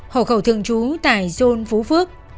hồ khẩu thường trú tại dôn phú phước